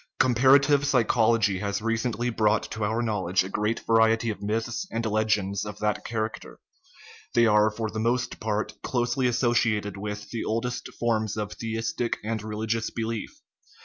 Comparative psychology has recently brought to our knowledge a great variety of myths and legends of that character; they are, for the most part, closely associated with the oldest forms of theistic and religious belief.